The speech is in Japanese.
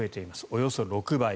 およそ６倍。